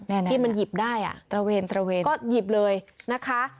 ที่มันหยิบได้อ่ะตระเวนตระเวนก็หยิบเลยนะคะ